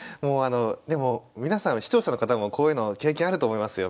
でも皆さん視聴者の方もこういうの経験あると思いますよ。